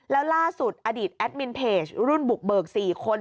แล้วล่าสุดอดีตแอดมินเพจรุ่นบุกเบิก๔คน